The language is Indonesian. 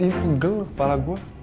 ini pegel kepala gue